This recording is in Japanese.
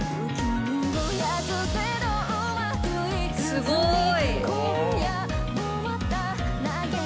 すごい。